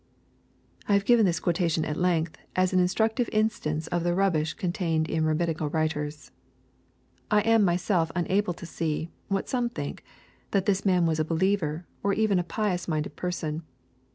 I have given this quotation at length, as an instructive instance of the rubbish contained in Rabbiaical writers. I am myself unable to see, what some think, that this man was a believer, or even a pious minded person.